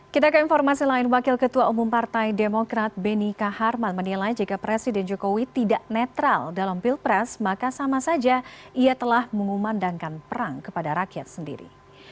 kita ke informasi lain wakil ketua umum partai demokrat beni kaharman menilai jika presiden jokowi tidak netral dalam pilpres maka sama saja ia telah mengumandangkan perang kepada rakyat sendiri